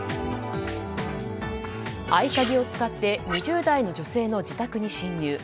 合鍵を使って２０代の女性の自宅に侵入。